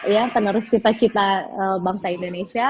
ya penerus cita cita bangsa indonesia